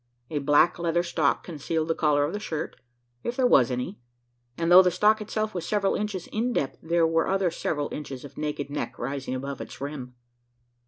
A black leather stock concealed the collar of the shirt if there was any and though the stock itself was several inches in depth, there were other several inches of naked neck rising above its rim.